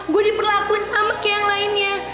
gue diperlakuin sama kayak yang lainnya